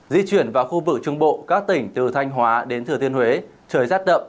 di chuyển vào khu vực trung bộ các tỉnh từ thanh hóa đến thừa thiên huế trời rét đậm